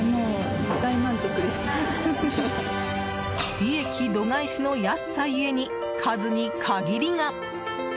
利益度外視の安さゆえに数に限りが。